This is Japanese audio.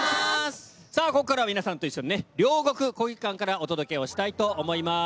さあ、ここからは皆さんと一緒に、両国国技館からお届けをしたいと思います。